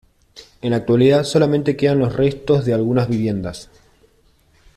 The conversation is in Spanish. En la actualidad solamente quedan los restos de algunas viviendas.